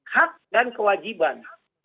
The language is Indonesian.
hak dan kewajiban